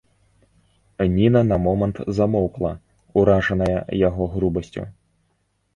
Ніна на момант замоўкла, уражаная яго грубасцю.